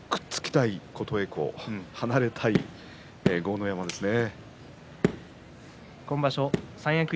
くっつきたい琴恵光離れたい豪ノ山ですね。